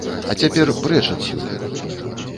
А цяпер прэч адсюль!